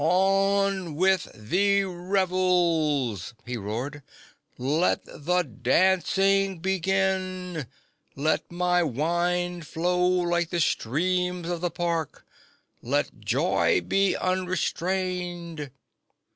"On with the revels!" he roared. "Let the dancing begin! Let my wine flow like the streams of the park! Let joy be unrestrained!"